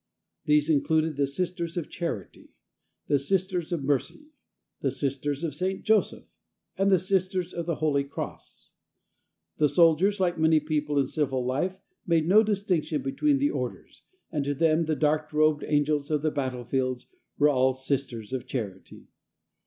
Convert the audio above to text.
These included the Sisters of Charity, the Sisters of Mercy, the Sisters of St. Joseph and the Sisters of the Holy Cross. The soldiers, like many people in civil life, made no distinction between the orders, and to them the dark robed angels of the battlefields were all "Sisters of Charity."